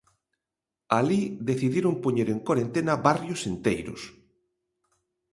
Alí decidiron poñer en corentena barrios enteiros.